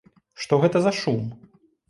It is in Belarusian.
Што гэта за шум?